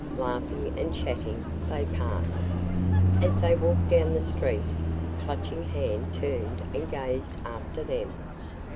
Laughing and chatting, they passed. As they walked down the street, Clutching Hand turned and gazed after them.